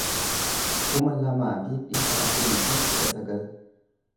kuma lamaa fi dhibba afurii fi kudha sagal